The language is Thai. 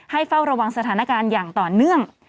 เฝ้าระวังสถานการณ์อย่างต่อเนื่อง